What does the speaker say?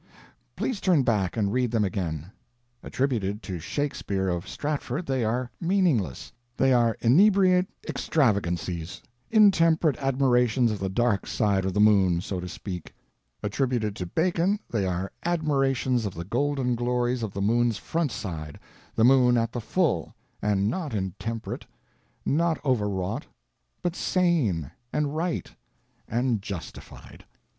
Please turn back and read them again. Attributed to Shakespeare of Stratford they are meaningless, they are inebriate extravagancies—intemperate admirations of the dark side of the moon, so to speak; attributed to Bacon, they are admirations of the golden glories of the moon's front side, the moon at the full—and not intemperate, not overwrought, but sane and right, and justified.